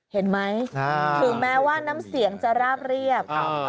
เห็นไหมถึงแม้ว่าน้ำเสียงจะราบเรียบ